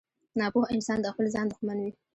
• ناپوه انسان د خپل ځان دښمن وي.